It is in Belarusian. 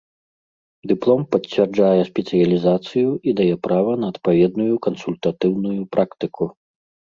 Дыплом пацвярджае спецыялізацыю і дае права на адпаведную кансультатыўную практыку.